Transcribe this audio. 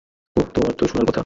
ওহ, তোমার তো শুনার কথা।